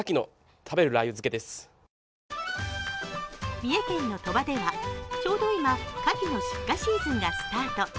三重県の鳥羽ではちょうど今、かきの出荷シーズンがスタート。